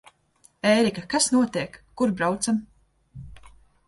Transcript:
Ērika, kas notiek? Kur braucam?